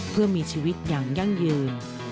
เพื่อมีชีวิตอย่างยั่งยืน